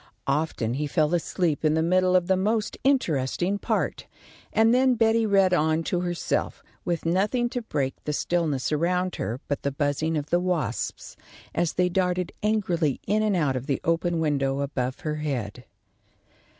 Often he fell asleep in the middle of the most interesting part, and then Betty read on to herself, with nothing to break the stillness around her but the buzzing of the wasps, as they darted angrily in and out of the open window above her head.